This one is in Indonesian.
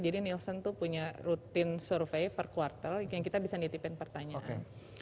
nielsen tuh punya rutin survei per kuartal yang kita bisa nitipin pertanyaan